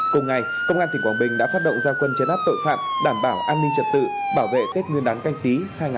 cùng ngày công an tỉnh quảng bình đã phát động gia quân chấn áp tội phạm đảm bảo an ninh trật tự bảo vệ tết nguyên đán canh tí hai nghìn hai mươi